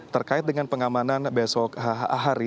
terkait dengan pengamanan besok hari